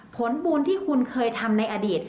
ผลบุญที่คุณเคยทำในอดีต